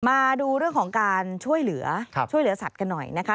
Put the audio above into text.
มาดูเรื่องของการช่วยเหลือช่วยเหลือสัตว์กันหน่อยนะคะ